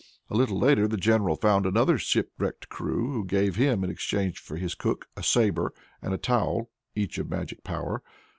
A little later the general found another shipwrecked crew, who gave him, in exchange for his cook, a sabre and a towel, each of magic power.